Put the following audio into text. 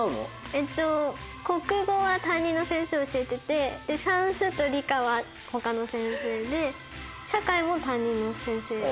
えっと国語は担任の先生が教えてて算数と理科は他の先生で社会も担任の先生。